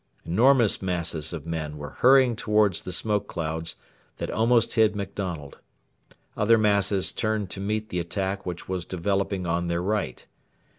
Enormous masses of men were hurrying towards the smoke clouds that almost hid MacDonald. Other masses turned to meet the attack which was developing on their right.